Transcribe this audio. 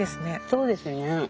そうですね。